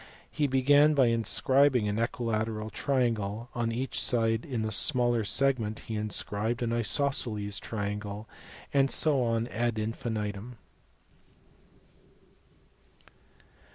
He began by inscribing an equilateral triangle; on each side in the smaller segment he inscribed an isosceles triangle, and so on ad infinitum.